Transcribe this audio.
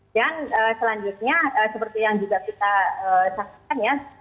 dan selanjutnya seperti yang juga kita saksikan ya